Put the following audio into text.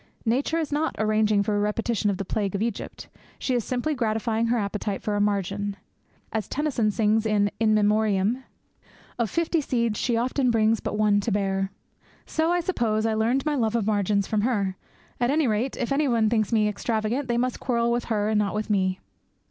Nature is not arranging for a repetition of the plague of Egypt; she is simply gratifying her appetite for a margin. As Tennyson sings in 'In Memoriam,' of fifty seeds She often brings but one to bear. So I suppose I learned my love of margins from her. At any rate, if anybody thinks me extravagant, they must quarrel with her and not with me.